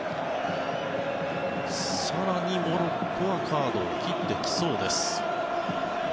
更にモロッコがカードを切ってきそうです。